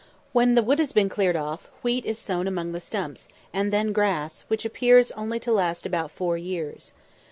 When the wood has been cleared off, wheat is sown among the stumps, and then grass, which appears only to last about four years.